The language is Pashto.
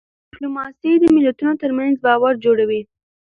ډيپلوماسي د ملتونو ترمنځ باور جوړوي.